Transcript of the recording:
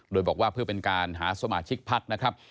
โดยบอกว่าเพื่อเป็นการหาสมาชิกพักนะครับ